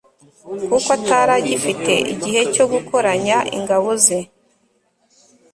kuko atari agifite igihe cyo gukoranya ingabo ze